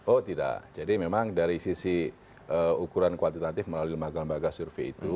oh tidak jadi memang dari sisi ukuran kuantitatif melalui lembaga lembaga survei itu